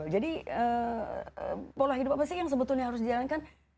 jadi pola hidup apa sih yang sebetulnya harus dijalankan